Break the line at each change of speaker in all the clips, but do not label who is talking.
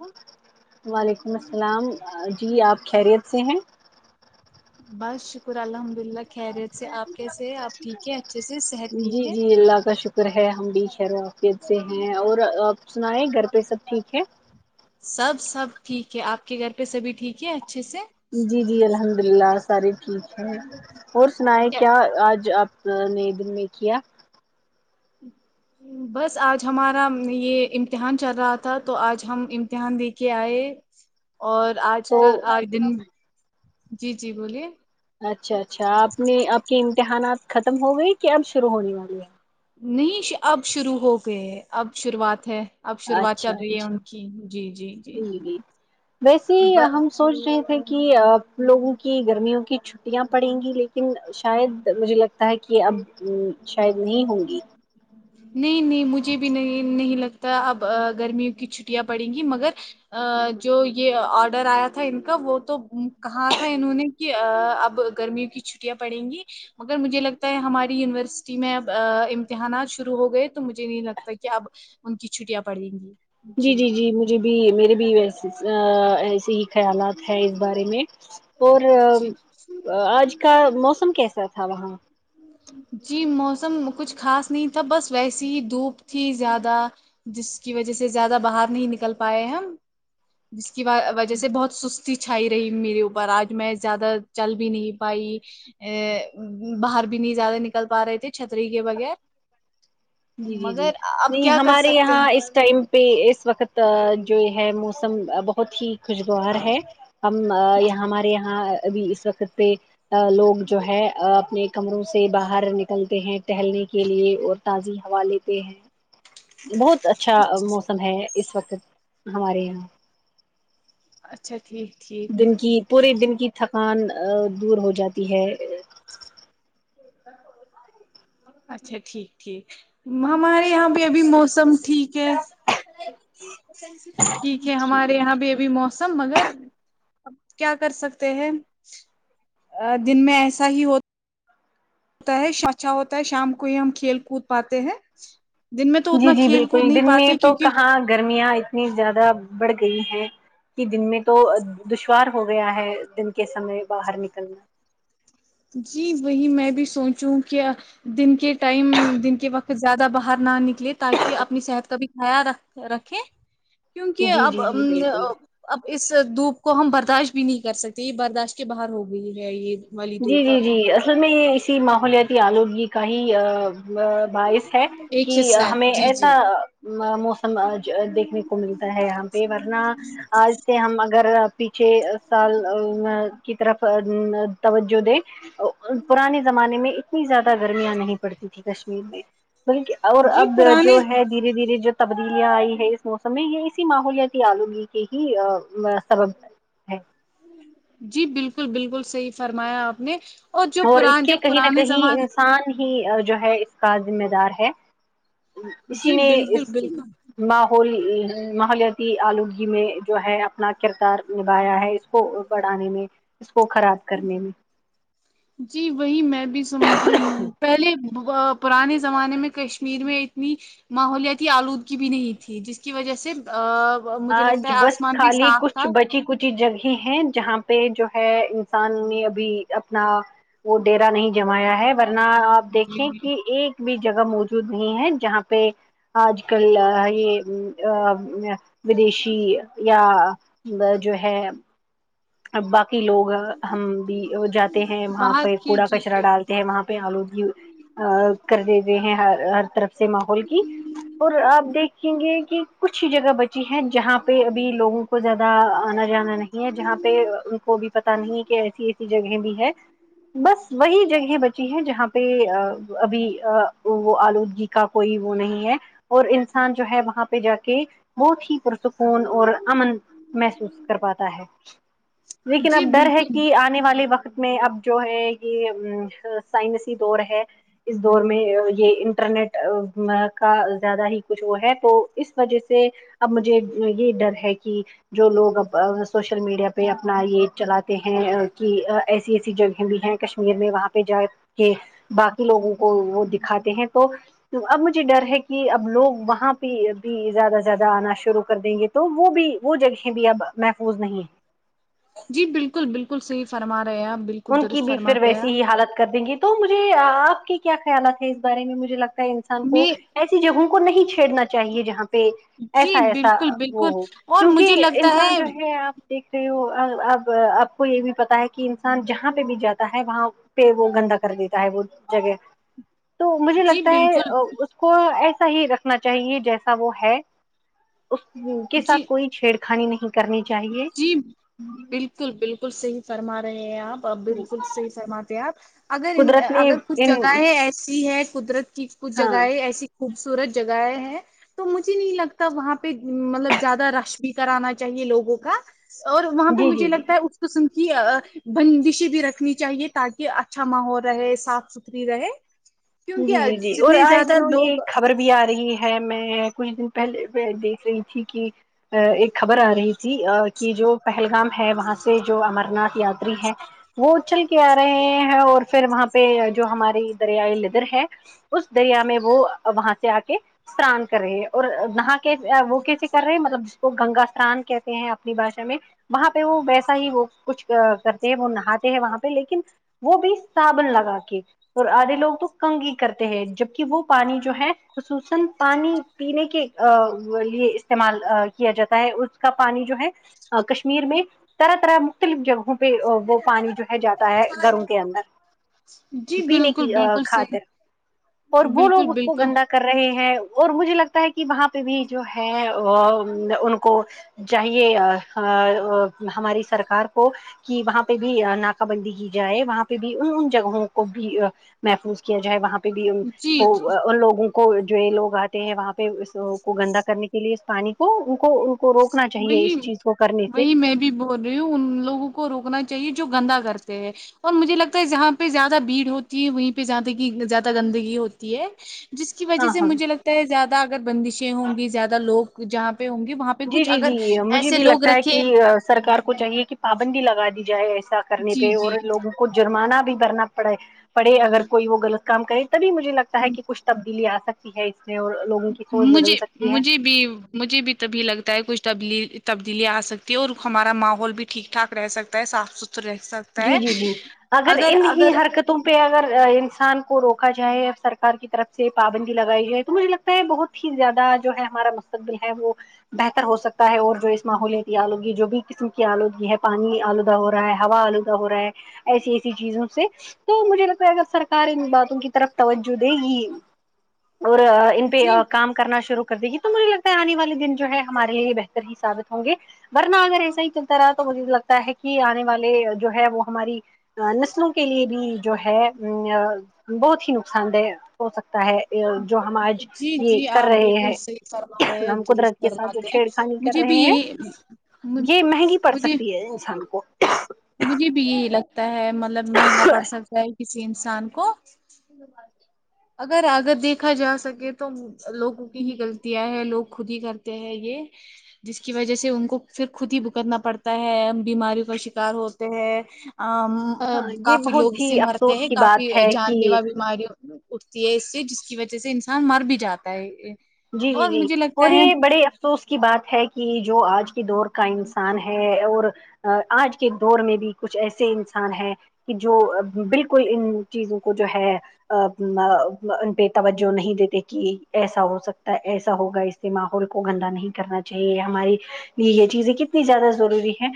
ہ
وعلیکم السلام جی آپ خیریت سے ہیں
بس شکر الحمد اللہ خیریت سے آپ کیسے ہے آپ ٹھیک ہے اچھے سے صحت
جی
ٹھیک ہے
جی اللہ کا شکر ہے ہم بھی خیر عافیت سے ہیں اور آپ سنائیں گھر پہ سب ٹھیک ہے
سب سب ٹھیک ہے آپ کے گھر پہ سبھی ٹھیک ہے اچھے سے
جی جی الحمد اللہ سارے ٹھیک ہے اور سنائے کیا آج آپ [unintelligible]
ہ [inaudible] بس آج ہمارا یہ امتحان چل رہا تھا تو آج ہم امتحان دے کے آئے اور آج
تو
کل آج دن جی جی بولیے
اچھا اچھا آپ نے آپ کے امتحانات ختم ہو گئے کہ اب شروع ہونے والی ہیں
نہیں اب شروع ہو گئے ہے اب شروعات ہے اب
ہیں
شروعات چل
اچھا
رہی ہے
اچھا
ان کی جی جی جی
ویسے ہم سوچ رہے تھے کہ لوگوں کی گرمیوں کی چھٹیاں پڑیں گی لیکن شاید مجھے لگتا ہے کہ یہ اب شاید نہیں ہوں گی
ہ [inaudible] نہیں نہیں مجھے بھی نہیں نہیں لگتا اب گرمیوں کی چھٹیاں پڑیں گی مگر آ جو یہ آرڈر آیا تھا ان کا وہ تو کہا تھا انہوں نے کہ اب گرمیوں کی چھٹیاں پڑیں گی مگر مجھے لگتا ہے ہماری یونیورسٹی میں اب امتحانات شروع ہو گئے تو مجھے نہیں لگتا کہ اب ان کی چھٹیاں پڑیں گی
جی جی جی مجھے بھی میرے بھی و ایسے ہی خیالات ہے اس بارے میں اور
جی
آج کا موسم کیسا تھا وہاں
جی موسم کچھ خاص نہیں تھا بس ویسی ہی دھوپ تھی زیادہ جس کی وجہ سے زیادہ باہر نہیں نکل پائے ہم جس کی وجہ سے بہت سست س چھائی رہی میرے اوپر آج میں زیادہ چل بھی نہیں پائی ا باہر بھی نہیں زیادہ نکل پا رہے تھے چھتری کے بغیر
جی جی جی
مگر اب
نہیں
کیا کر
ہمارے
سکتے
یہاں
ہیں
اس ٹائم پہ اس وقت جو ہے موسم بہت ہی خوشگوار ہے ہم یہ ہمارے یہاں ابھی اس وقت پہ لوگ جو ہے اپنے کمروں سے باہر نکلتے ہیں ٹہلنے کے لیے اور تازی ہوا لیتے ہیں بہت اچھا موسم ہے اس وقت ہمارے یہاں
اچھا ٹھیک ٹھیک
دن کی پورے دن کی تھکان دور ہو جاتی ہے
اچھا ٹھیک ٹھیک ہمارے یہاں بھی ابھی موسم ٹھیک ہے ٹھیک ہے ہمارے یہاں بھی ابھی مو سم مگر اب کیا کر سکتے ہیں ا دن میں ایسا ہی ہو تا ہے اچھا ہوتا ہے شام کو ہی ہم کھیل کود پاتے ہیں دن میں تو
جی
اتنا
جی
کھیل کود
بالکل
نہیں
دن میں
پاتے
تو
کیونکہ
کہاں گرمیاں اتنی زیادہ بڑھ گئی ہیں کی دن میں تو دشوار ہو گیا ہے دن کے سمے باہر نکلنا
جی وہی میں بھی سوچوں کیا دن کے ٹائم دن کے وقت زیادہ باہر نہ نکلے تاکی اپنی صحت کا بھی خیال رکھ رکھیں کیونکی
جی
اب
جی جی
امم
بالکل
اب اس دھوپ کو ہم برداشت بھی نہیں کر سکتے یے برداشت کے باہر ہو گئی ہے یے
جی جی جی اصل میں یے اسی ماحولیاتی آلودگی کا ہی باعث ہے کہ
ایک حصہ ہے
ہمیں
جی
ایسا
جی
ا موسم ا ج دیکھنے کو ملتا ہے ہم یہاں پے ورنہ آج سے ہم اگر پیچھے سال کی طرف توجہ دے پرانے زمانے میں اتنی زیادہ گرمیاں نہیں پڑتی تھیں کشمیر میں بلکی اور
جی
اب جو
پرانے
ہے دھیرے دھیرے جو تبدیلیاں آئی ہے اس موسم میں یے اسی ماحولیاتی آلودگی کے ہی سبب ہے
جی بالکل بالکل صحیح فرمایا آپ نے اور جو
اس
پران
کے
جب
کہیں نہ
پرانے
کہیں
زمان
انسان ہی جو ہے اس کا ذمہ دار ہے اسی
جی
نے
بالکل
اس
بالکل
ماحول ماحولیاتی آلودگی میں جو ہے اپنا کردار نبایا ہے کو بڑھانے میں اس کو خراب کرنے میں
جی وہی میں بھی سمجھوں پہلے پرانے زمانے میں کشمیر میں اتنی ماحولیاتی آلود کی بھی نہیں تھی جس کی وجہ سے آ
آج بس خالی کچھ بچی کچھ ا جگہ ہے جہاں پے جو ہے انسان نے ابھی اپنا وہ ڈیرا نہیں جمایا ہے ورنہ آپ
جی
دیکھیں
جی
کی ایک بھی جگہ موجود نہیں ہے جہاں پے آج کل یے امم ودیشی یا جو ہے باقی لوگ ہم بھی جاتے ہیں وہاں
باہر
پے
کے
کوڑا
جی
کچرا
جی
ڈالتے ہیں وہاں پے آلودگی ا کر دیے ہوئے ہیں ہر ہر طرف سے ماحول کی اور آپ دیکھیں گے کی کچھ ہی جگہ بچ چی ہیں جہاں پے ابھی لوگوں کو زیادہ آنا جانا نہیں ہے جہاں پے ان کو پتہ نہیں کہ ایسی ایسی جگہیں بھی ہیں بس وہی جگہیں بچی ہیں جہاں پے ابھی ا وہ آلودگی کا کوئی وہ نہیں ہے اور انسان جو ہے وہاں پے جا کے بہت ہی پرسکون اور امن محسوس کر پاتا ہے لیکن
جی
اب ڈر ہے
بالکل
کی آ آنے والے وقت میں اب جو ہے یے سائنسی دور ہے اس دور میں یے انٹرنیٹ امم کا زیادہ ہی کچھ وہ ہے تو اس وجہ سے اب مجھے یہ بھی ڈر ہے کی جو لوگ اب سوشل میڈیا پے اپنا یے چلاتے ہیں کی ایسی ایسی جگہیں بھی ہیں کشمیر میں وہاں پے جائے کی باقی لوگوں کو وہ دکھاتے ہیں تو تو اب مجھے ڈر ہے کی اب لوگ وہاں پے بھی زیادہ زیادہ آنا شروع کر دیں گے تو وہ بھی وہ جگہیں بھی اب محفوظ نہیں ہے
جی بالکل بالکل صحیح فرما رہے آپ بل
ان کی بھی پھر ویسی ہی حالت کر دیں گی تو مجھے آپ کے کیا خیالات ہے اس بارے میں مجھے لگتا ہے انسان کو
میں
ایسی جگہوں کو نہیں چھیڑنا چاہئے جہاں پہ
جی
ایسا ایسا
بالکل بالکل
وہ ہو
اور
کیونکہ
مجھے لگتا
انسان جو ہے آپ دیکھ رہے ہو ہو اب آپ کو یہ بھی پتا ہے کہ جہاں پہ بھی جاتا ہے وہاں پہ وہ گندا کر دیتا ہے وہ جگہ تو مجھے
جی
لگتا ہے
بالکل
اس کو ایسا ہی رکھنا چاہیے جیسا وہ ہے اس کے
جی
ساتھ کوئی چھیڑ کھانی نہیں کرنی چاہیے
جی بالکل بالکل صحیح فرما رہے ہیں آپ بالکل صحیح فرماتے ہیں آپ اگر
قدرت نے
اگر کچھ
ان
جگہیں ایسی ہے قدرت کی کچھ
ہاں
جگہیں ایسی خوبصورت جگہیں ہیں تو مجھے نہیں لگتا وہاں پہ مطلب زیادہ رش بھی کرانا چاہیے لوگوں کو کا اور وہاں پہ
جی
مجھے
جی جی
لگتا ہے سم کی بندشی بھی رکھنی چاہیے تاکہ اچھا ماحول رہے صاف ست اتری رہے
جی
کیونکہ
جی جی اور
جتنے
اے
زیادہ
دن یہ
لوگ
خبر بھی آ رہی ہے میں کچھ دن پہلے دیکھ رہی تھی کہ ایک خبر آ رہی تھی کہ جو پہلگام ہے وہاں سے جو امر ناتھ یاتری ہے وہ اچھل کے آ رہے ہیں اور پھر وہاں پہ جو ہماری دریائے ل ہے اس دریا میں وہ وہاں سے آ کے سنان کر رہے ہے اور نہا کے وہ کیسے کر رہے ہیں مطلب جس کو گنگا سے اسنان کہتے ہیں اپنی بھاشا میں وہاں پہ وہ ویسا ہی وہ کچھ کرتے ہیں وہ نہاتے ہیں وہاں پہ لیکن وہ بھی صابن لگا کے اور آدھے لوگ تو کنگی کرتے ہیں جب کہ وہ پانی جو ہے خصوصا پانی پینے کے لیے استعمال کیا جاتا ہے اس کا پانی جو ہے کشمیر میں طرح طرح مختلف جگہوں پہ وہ پانی جو ہے جاتا ہے گھروں کے اندر
جی بالکل بالکل
کھا کر
صحیح
اور وہ
بالکل
لوگ اس کو
بالکل
گندا کر رہے ہیں اور مجھے لگتا ہے کہ وہاں پہ بھی جو ہے ان کو چاہیے ہماری سرکار کو کہ وہاں پہ بھی ناکہ بندی کی جائے وہاں پہ بھی ان ان جگہوں کو بھی محفوظ کیا جائے وہاں پہ بھی ان
جی
کو
جی
ان لوگوں کو کو جو لوگ آتے ہیں وہاں پہ اس کو گندا کرنے کے لیے اس پانی کو ان کو کو روکنا چاہیے
وہی
اس چیز کو کرنے سے
وہی میں بھی بول رہی ہوں ان لوگوں کو روکنا چاہیے جو گندا کرتے ہیں اور مجھے لگتا ہے جہاں پہ زیادہ بھیڑ ہوتی ہے وہیں پہ زیادہ کہ زیادہ گندگی ہوتی ہے جس کی وجہ
ہاں
سے
ہاں
مجھے لگتا ہے زیادہ اگر بندشیں ہوں گی زیادہ لوگ جہاں پہ ہوں گے وہاں پہ
جی
کچھ
جی
اگر
جی مجھے
ایسے
بھی
لوگ
لگتا ہے
رکھے
کہ سرکار کو چاہیے کہ پابندی لگا دی جائے ایسا کرنی
جی
پے اور
جی
لوگ جرمانہ بھی بھرنا پڑے پڑے اگر کوئی وہ غلط کام کرے تبھی مجھے لگتا ہے کہ کچھ تبدیلی آ سکتی ہے اس میں اور لوگوں کی سوچ
مجھے
بدل سکتی ہے
مجھے بھی مجھے بھی تبھی لگتا ہے کچھ تبلی تبدیلی آ سکتی ہے اور ہمارا ماحول بھی ٹھیک ٹھاک رہ سکتا ہے صاف ستھرا تور سا [unintelligible]
جی جی جی اگر ان ہی حرکت تم پہ اگر انسان کو روکا جائے سرکار کی طرف سے پابندی لگائی جائے تو مجھے لگتا ہے بہت ہی زیادہ جو ہے ہمارا مستقبل ہے وہ بہتر ہو سکتا ہے اور جو اس ماحولیاتی آلودگی جو بھی قسم کی آلودگی ہے پانی آلودہ ہو رہا ہے ہوا آلودگی ہو رہا ہے ایسی ایسی چیزوں سے تو مجھے لگتا ہے اگر سرکار ان باتوں کی طرف توجہ دے گی اور ان پہ
جی
کام کرنا شروع کر دے گی تو مجھے لگتا ہے آنے والے دن جو ہے ہمارے لیے یہ بہتر ہی ثابت ہوں گے ورنہ اگر ایسا ہی چلتا رہا تو مجھے لگتا ہے کہ آنے والے جو ہے وہ ہماری نسلوں کے لیے بھی جو ہے ا بہت ہی نقصان دہ ہو سکتا ہے جو ہم آج
جی
یہ
جی
کر
آپ
رہے
بالکل صحیح
ہیں
فرما رہے ہیں
ہم قدرت
درست
کے ساتھ جو
فرماتے ہیں
چھیڑ خانی کر
مجھے بھی
رہے ہیں
یہی
یہ مہنگی پڑ
مجھے
سکتی ہے انسان کو
مجھے بھی یہی لگتا ہے مطلب مہنگا پڑ سکتا ہے کسی انسان کو اگر اگر دیکھا جا سکے تو لوگوں کی ہی غلطیاں ہیں لوگ خود ہی کرتے ہیں یہ جس کی وجہ سے ان کو پھر خود ہی بھکتنا پڑتا ہے بیماریوں کا شکار ہوتے ہیں اں عم ا
ہاں یہ
کافی لوگ
بہت
اسے
ہی
مرتے
افسوس
ہیں
کی
کافی
بات ہے
جان
کہ
لیوا بیماریوں اٹھتی ہے اس سے جس کی وجہ سے انسان مر بھی جاتا ہے
جی جی
اور
جی
مجھے
اور
لگتا ہے
یہ بڑے تو اس کی بات ہے کہ جو آج کی دور کا انسان ہے اور آج کے دور میں بھی کچھ ایسے انسان ہیں کہ جو بالکل ان چیزوں کو جو ہے ا ا ان پہ توجہ نہیں دیتے کہ ایسا ہو سک ایسا ہوگا اس سے ماحول کو گندا نہیں کرنا چاہیے ہماری یہ چیزیں کتنی زیادہ ضروری ہے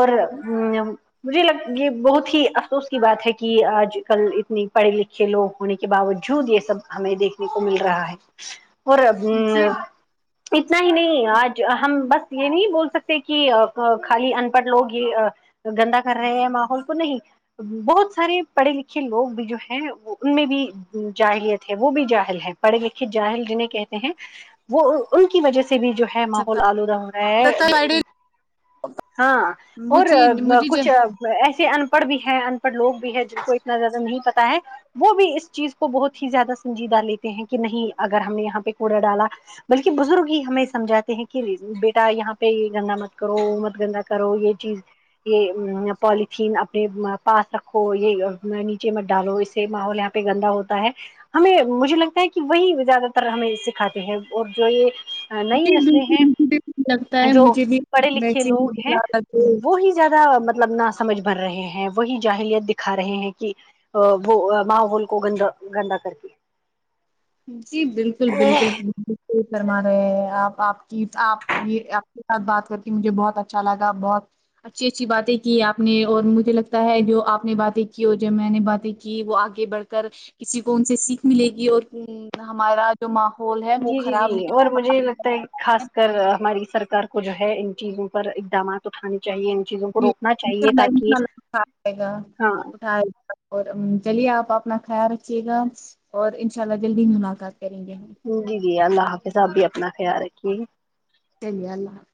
اور ام مجھے لگ یہ بہت ہی افسوس کی بات ہے کہ آج کل اتنی پڑھی لکھی کے لوگ ہونے کے باوجود یہ سب ہمیں دیکھنے کو مل رہا ہے اور اب ہمم
جی
اتنا ہی نہیں آج ہم بس یہ نہیں بول سکتے کہ خالی ان پڑھ لوگ یہ تو گندا کر رہے ہیں ماحول تو نہیں بہت سارے پڑھے لکھے لوگ بھی جو ہیں ان میں بھی جاہلیت ہے وہ بھی جاہل ہے پڑھے لکھے جاہل جنہیں کہتے ہیں وہ ان کی وجہ سے بھی جو ہے
سب کا
ماحول آلودہ ہو رہا ہے ہاں اور
مجھے مجھے جو
کچھ ایسے ان پڑھ بھی ہے ان پڑھ لوگ بھی ہے جس کو اتنا زیادہ نہیں پتا ہے وہ بھی اس چیز کو بہت ہی زیادہ سنجیدہ لیتے ہیں کہ نہیں اگر ہم نے یہاں پہ کوڑا ڈالا بلکہ بزرگ ہی ہمیں سمجھاتے ہیں کہ بیٹا یہاں پہ گندا مت کرو مت گندا کرو یہ چیز یہ پالیتھین اپنے پاس رکھو یہ نیچے مت ڈالو اس سے ماحول ہے گندا ہوتا ہے ہمیں مجھے لگتا ہے کہ وہی زیادہ تر ہمیں سکھاتے ہیں اور جو یہ نئی
جی
نسلیں ہیں
بالکل مجھے لگتا ہے
جو
مجھے بھی
پڑھے لکھے
ویسے
لوگ ہیں وہی زیادہ مطلب نہ سمجھ بھر رہے ہیں وہی جاہلیت دکھا رہے ہیں کہ وہ ماحول کو گندا گندا کر کے
جی بالکل
کے
بالکل بالکل فرما رہے ہیں آپ آپ کی آپ سے بات کر کے مجھے بہت اچھا لگا بہت اچھی اچھی باتیں کی آپ نے اور مجھے لگتا ہے جو آپ نے باتیں کی اور جب میں نے باتیں کہ وہ آگے بڑھ کر کسی کو ان سے سیکھ ملے گی اور ہمارا جو ماحول ہے وہ
جی جی
خراب
جی
نہیں
اور مجھے یہ لگتا ہے
ہوگا
خاص کر ہماری سرکار کو جو ہے ان چیزوں پر اقدامات اٹھانے چاہیے چیزوں کو
جی
روکنا
ان شاء
چاہیے
اللہ ان
تاکہ
شاء اللہ اٹھا جائے گا
ہاں
اٹھا اور چلیے آپ اپنا خیال رکھیے گا اور انشاء اللہ جلدی ہی ملاقات کریں گے ہم
جی جی اللہ حافظ آپ بھی اپنا خیال رکھیے گا
[unintelligible]